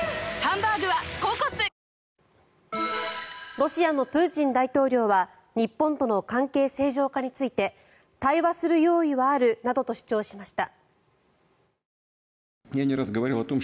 ロシアのプーチン大統領は日本との関係正常化について対話する用意はあるなどと主張しました。